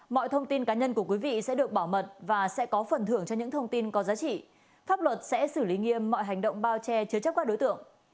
mọi thông tin cá nhân của quý vị sẽ được bảo mật và sẽ có phần thưởng cho những thông tin có giá trị pháp luật sẽ xử lý nghiêm mọi hành động bao che chứa chấp các đối tượng